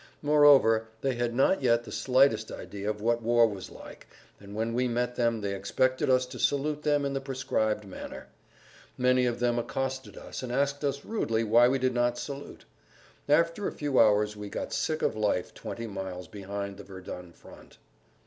Moreover, they had not yet the slightest idea of what war was like, and when we met them they expected us to salute them in the prescribed manner. Many of them accosted us and asked us rudely why we did not salute. After a few hours we got sick of life twenty miles behind the Verdun front.